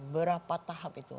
berapa tahap itu